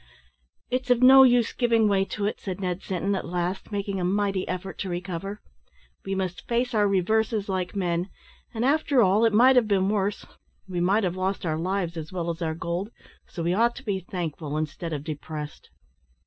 "It's of no use giving way to it," said Ned Sinton, at last, making a mighty effort to recover: "we must face our reverses like men; and, after all, it might have been worse. We might have lost our lives as well as our gold, so we ought to be thankful instead of depressed."